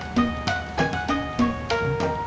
baik tapi yang layak aja sih